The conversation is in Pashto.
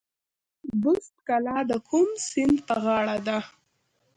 بست کلا د کوم سیند په غاړه ده؟